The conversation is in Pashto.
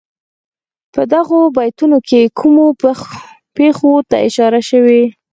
په دغو بیتونو کې کومو پېښو ته اشاره شوې.